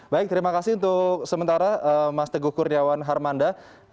baik terima kasih untuk sementara mas teguh kurniawan harmanda